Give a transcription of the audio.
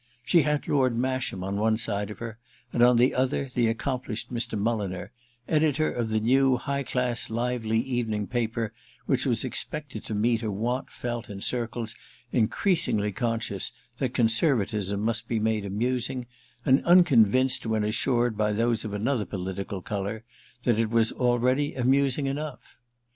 She had Lord Masham on one side of her and on the other the accomplished Mr. Mulliner, editor of the new high class lively evening paper which was expected to meet a want felt in circles increasingly conscious that Conservatism must be made amusing, and unconvinced when assured by those of another political colour that it was already amusing enough.